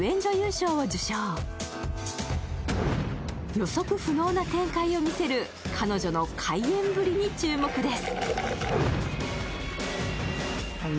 予測不能な展開を見せる彼女の怪演ぶりに注目です。